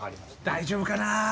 大丈夫かな。